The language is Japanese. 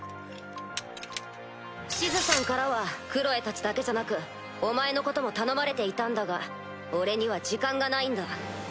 シズさんからはクロエたちだけじゃなくお前のことも頼まれていたんだが俺には時間がないんだ。